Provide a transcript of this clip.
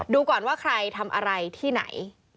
ดูก่อนว่าใครทำอะไรที่ไหน